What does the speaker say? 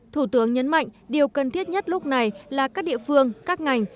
thủ tướng nhấn mạnh điều cần thiết nhất lúc này là các địa phương các ngành